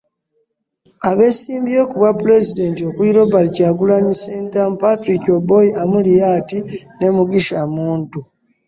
Abeesimbyewo ku bwapulezidenti okuli; Robert Kyagulanyi Ssentamu , Patrick Oboi Amuriat ne Mugisha Muntu